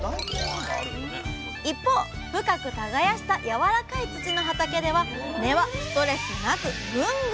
一方深く耕した軟らかい土の畑では根はストレスなくぐんぐん成長！